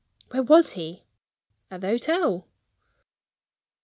"Where was he?" "At the hotel."